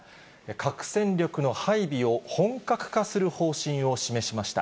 核戦力の配備を本格化する方針を示しました。